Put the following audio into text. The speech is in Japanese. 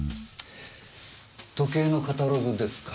時計のカタログですか。